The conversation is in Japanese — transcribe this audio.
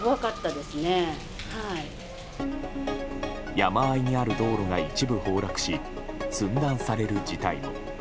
山あいにある道路が一部崩落し寸断される事態も。